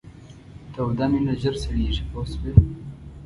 توده مینه ژر سړیږي پوه شوې!.